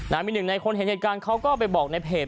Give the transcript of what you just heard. มีหนึ่งในคนเห็นเหตุการณ์เขาก็ไปบอกในเพจ